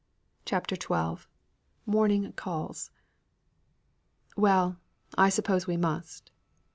CHAPTER XII. MORNING CALLS. "Well I suppose we must."